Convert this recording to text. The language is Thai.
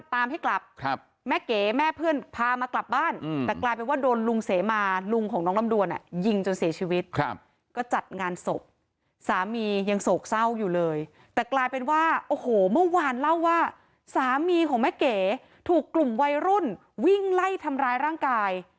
ถูกกลุ่มวัยรุ่นวิ่งไล่ทำร้ายร่างกาย